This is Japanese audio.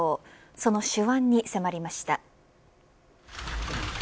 その手腕に迫りました。